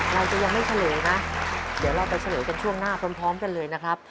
เราจะยังไม่เฉลยนะเดี๋ยวเราไปเฉลยกันช่วงหน้าพร้อมกันเลยนะครับ